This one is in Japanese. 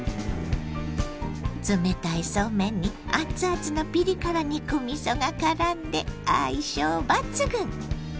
冷たいそうめんに熱々のピリ辛肉みそがからんで相性抜群！